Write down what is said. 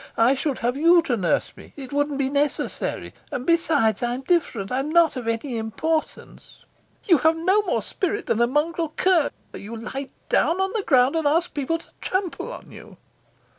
I should have you to nurse me. It wouldn't be necessary. And besides, I'm different; I'm not of any importance." "You have no more spirit than a mongrel cur. You lie down on the ground and ask people to trample on you."